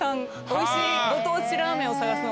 おいしい。